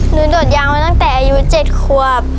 โดดยางมาตั้งแต่อายุ๗ควบ